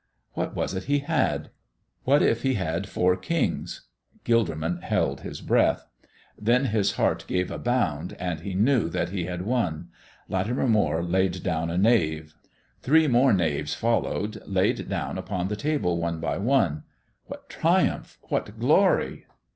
What was it he had? What if he had four kings? Gilderman held his breath. Then his heart gave a bound and he knew that he had won. Latimer Moire laid down a knave. Three more knaves followed, laid down upon the table one by one. What triumph! What glory!